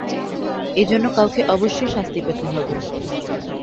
এজন্য কাউকে অবশ্যই শাস্তি পেতে হবে!